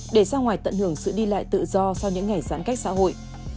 để ra ngoài tận hưởng sự đi lại tự do sau những ngày giãn cách xã hội